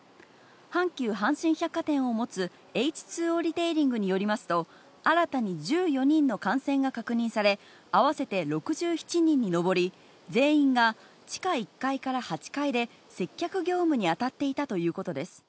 阪急阪神百貨店を持つエイチ・ツー・オーリテイリングによりますと、新たに１４人の感染が確認され、合わせて６７人に上り、全員が地下１階から８階で接客業務に当たっていたということです。